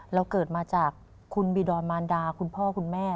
เกิดมาจากคุณบีดอนมารดาคุณพ่อคุณแม่